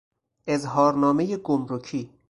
اظهارنامهی گمرکی